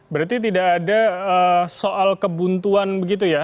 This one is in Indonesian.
berarti tidak ada soal kebuntuan begitu ya